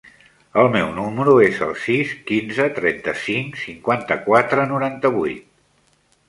El meu número es el sis, quinze, trenta-cinc, cinquanta-quatre, noranta-vuit.